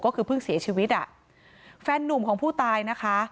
ก็คือเพิ่งเสียชีวิตอ่ะแฟนนุ่มของผู้ตายนะคะ